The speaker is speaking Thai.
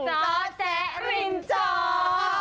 เจ้าแจ๊กริมเจ้า